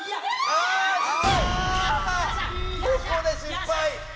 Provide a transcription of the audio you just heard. あここで失敗！